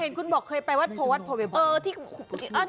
เห็นคุณบอกเคยไปวัดโพวัดโพเวม